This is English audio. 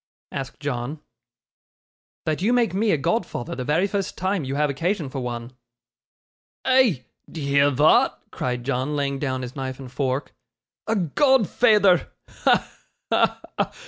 asked John. 'That you make me a godfather the very first time you have occasion for one.' 'Eh! d'ye hear thot?' cried John, laying down his knife and fork. 'A godfeyther! Ha! ha! ha!